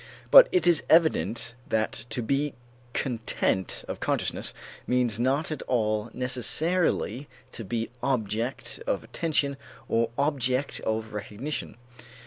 But it is evident that to be content of consciousness means not at all necessarily to be object of attention or object of recognition.